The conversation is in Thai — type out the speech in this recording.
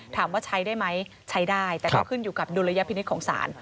ถามว่าใช้ได้ไหมใช้ได้แต่ก็ขึ้นอยู่กับดุลยพินิษฐ์ของศาล